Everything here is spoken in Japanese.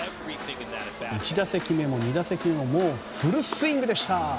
１打席目も２打席目もフルスイングでした。